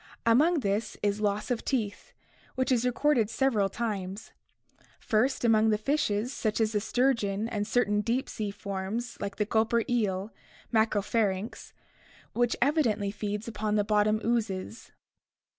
Among these is loss of teeth, which is recorded several times: first, among the fishes such as the sturgeon and certain deep sea forms like the "gulper" eel, Macropharynx, which evi dently feeds upon the bottom oozes.